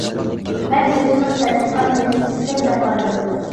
مەن ئۆزىنىڭ تەتقىقات نەتىجىسىكەن دەپ قارىدىم.